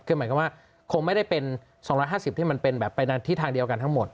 คือหมายความว่าคงไม่ได้เป็นสองร้อยห้าสิบที่มันเป็นแบบไปที่ทางเดียวกันทั้งหมด